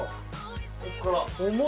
ここから。